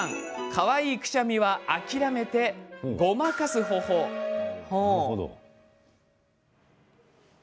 かわいいくしゃみは諦めてごまかす方法です。